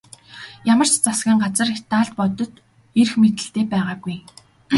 Ямар ч засгийн газар Италид бодит эрх мэдэлтэй байгаагүй.